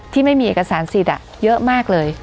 ที่มีเอกสารสิทธิ์เยอะมากเลย